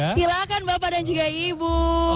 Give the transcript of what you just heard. silakan bapak dan juga ibu